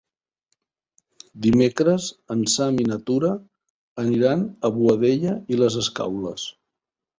Dimecres en Sam i na Tura aniran a Boadella i les Escaules.